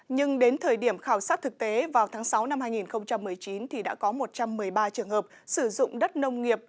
nhưng đến thời điểm khảo sát thực tế vào tháng sáu năm hai nghìn một mươi chín thì đã có một trăm một mươi ba trường hợp sử dụng đất nông nghiệp